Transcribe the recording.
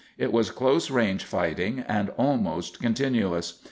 It was close range fighting, and almost continuous.